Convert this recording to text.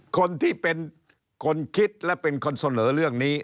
คนที่เป็นคนคิดและเป็นคนเสนอเรื่องนี้